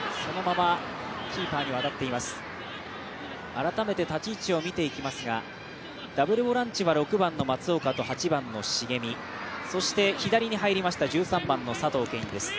改めて立ち位置を見ていきますがダブルボランチは６番の松岡と８番の重見、そして左に入りました佐藤恵允です。